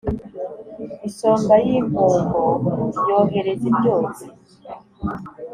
Isonga y'impombo yohereza ibyotsi